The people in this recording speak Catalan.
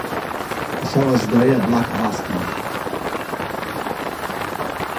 Això es deia "blockbusting".